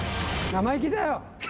生意気だよ！